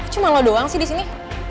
cuma lo doang sih di sini